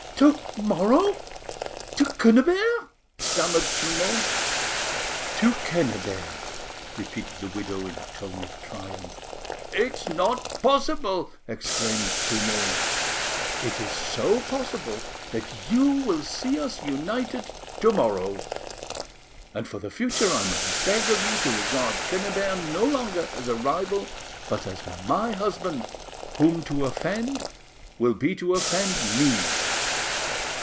"To morrow? To Quennebert?" stammered Trumeau. "To Quennebert," repeated the widow in a tone of triumph. "It's not possible!" exclaimed Trumeau. "It is so possible that you will see us united tomorrow. And for the future I must beg of you to regard Quennebert no longer as a rival but as my husband, whom to offend will be to offend me."